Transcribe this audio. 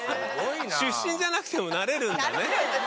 出身じゃなくてもなれるんだね観光大使。